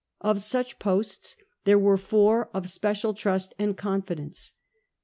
Of such posts there were four of special trust and con fidence. 1°.